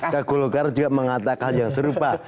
ke golgar juga mengatakan yang serupa